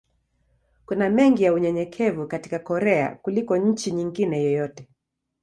Kuna mengi ya unyenyekevu katika Korea kuliko nchi nyingine yoyote.